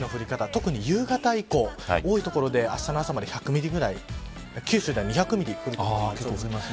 特に夕方以降多い所であしたの朝まで１００ミリぐらい九州では２００ミリ降る所もありそうです。